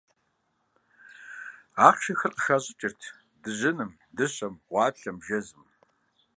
Ахъшэхэр къыхащӏыкӏырт дыжьыным, дыщэм, гъуаплъэм, жэзым.